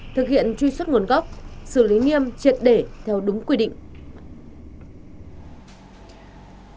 thực hiện truy xuất nguồn gốc xử lý nghiêm triệt để theo đúng quy định